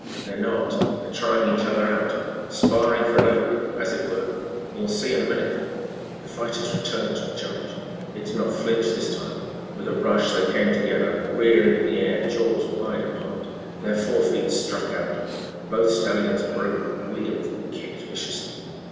"They're not. They're trying each other out sparring for an opening as it were. You'll see in a minute." The fighters returned to the charge. They did not flinch this time. With a rush they came together, rearing in the air, jaws wide apart. Their fore feet struck out. Both stallions broke, wheeled and kicked viciously.